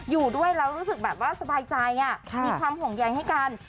อยู่ด้วยแล้วรู้สึกแบบว่าสบายใจมีความห่วงใยให้กัน